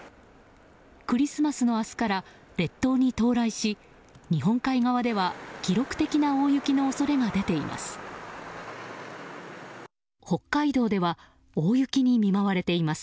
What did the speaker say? クリスマスの明日から列島に到来し日本海側では記録的な大雪の恐れが出ています。